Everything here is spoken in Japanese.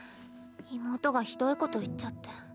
妹がひどいこと言っちゃって。